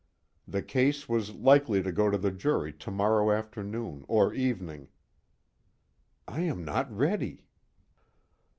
The case was likely to go to the jury tomorrow afternoon or evening. _I am not ready.